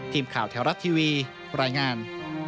ทีมข่าวแถวรัฐทีวีรายงาน